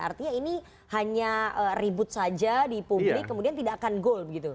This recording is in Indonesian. artinya ini hanya ribut saja di publik kemudian tidak akan goal begitu